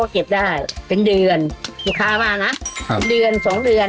เก็บได้เป็นเดือนสุขามานะก็เดือนสองเดือน